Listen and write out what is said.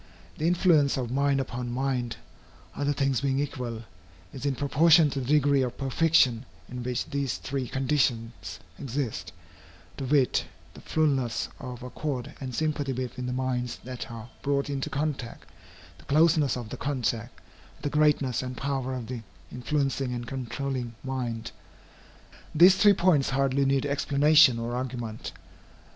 The influence of mind upon mind, other things being equal, is in proportion to the degree of perfection in which these three conditions exist, to wit, the fulness of accord and sympathy between the minds that are brought into contact, the closeness of the contact, and the greatness and power of the influencing and controlling mind. These three points hardly need explanation or argument.